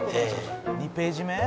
「２ページ目？」